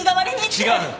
違う！